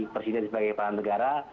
presiden sebagai kepala negara